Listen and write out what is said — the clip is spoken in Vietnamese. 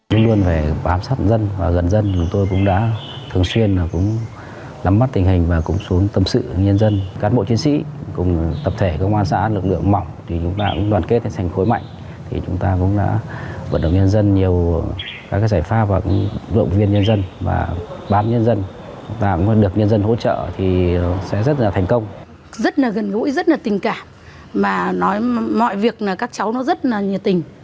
rất là gần gũi rất là tình cảm và nói mọi việc các cháu rất là nhiệt tình